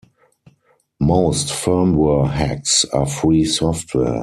Most firmware hacks are free software.